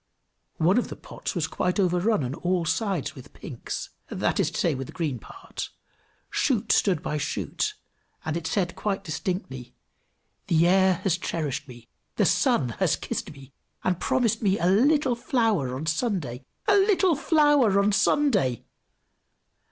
One of the pots was quite overrun on all sides with pinks, that is to say, with the green part; shoot stood by shoot, and it said quite distinctly, "The air has cherished me, the sun has kissed me, and promised me a little flower on Sunday! a little flower on Sunday!"